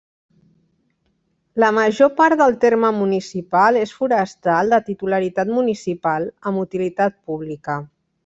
La major part del terme municipal és forestal de titularitat municipal amb utilitat pública.